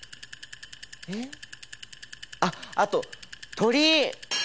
えっあっあと鳥居！